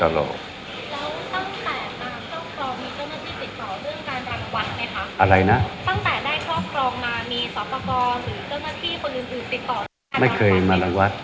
แล้วตั้งแต่มาครอบครองมีเจ้าหน้าที่ติดต่อเรื่องการรังวัดไหมคะ